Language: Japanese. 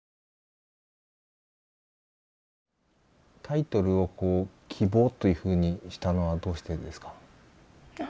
タイトルを「希望」というふうにしたのはどうしてですか？